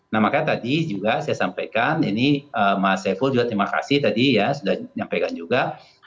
nah makanya tadi juga saya sampaikan ini mas saiful juga terima kasih tadi ya sudah menyampaikan juga